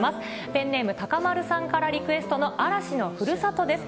ペンネーム、たかまるさんからリクエストの嵐のふるさとです。